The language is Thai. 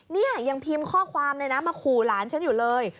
เนี่ยยังพิมพ์ข้อความเลยนะมาขู่หลานฉันอยู่เลย